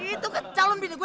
itu kecalon bintik gue